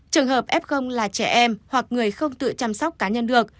trường hợp f là trẻ em hoặc người không tự chăm sóc cá nhân được